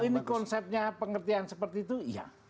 ini konsepnya pengertian seperti itu iya